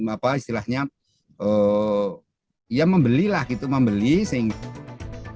apa istilahnya ya membelilah gitu membeli sehingga